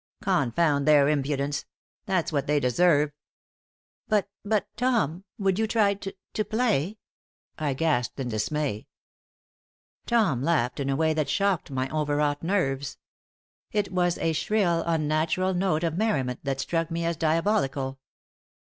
"Confound their impudence! That's what they deserve." "But but Tom, would you try to to play?" I gasped, in dismay. Tom laughed in a way that shocked my overwrought nerves. It was a shrill, unnatural note of merriment, that struck me as diabolical.